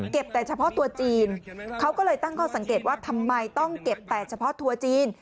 แต่เฉพาะตัวจีนเขาก็เลยตั้งข้อสังเกตว่าทำไมต้องเก็บแต่เฉพาะทัวร์จีน